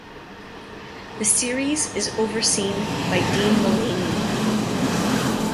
The series is overseen by Dean Mullaney.